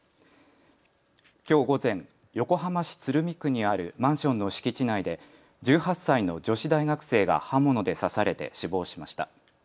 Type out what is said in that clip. きょう午前、横浜市鶴見区にあるマンションの敷地内で１８歳の女子大学生が刃物で刺されて死亡しました。